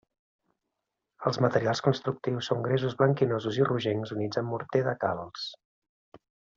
Els materials constructius són gresos blanquinosos i rogencs units amb morter de calç.